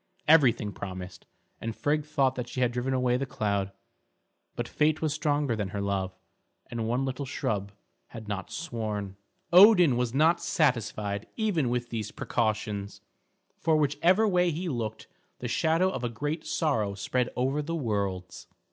Everything promised, and Frigg thought she had driven away the cloud; but fate was stronger than her love, and one little shrub had not sworn. Odin was not satisfied even with these precautions, for whichever way he looked the shadow of a great sorrow spread over the worlds.